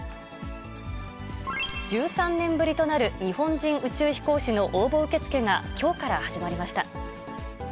１３年ぶりとなる日本人宇宙飛行士の応募受け付けがきょうから始まりました。